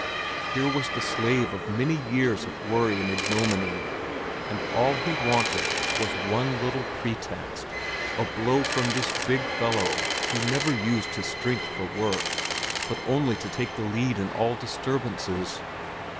Here was the slave of many years of worry and ignominy, and all he wanted was one little pretext—a blow from this big fellow who never used his strength for work, but only to take the lead in all disturbances.